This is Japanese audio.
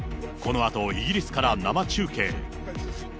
このあとイギリスから生中継。